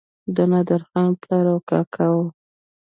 د نادرخان پلار او کاکا وو.